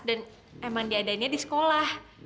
dan emang diadainya di sekolah